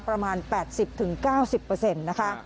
ประมาณ๘๐๙๐นะคะ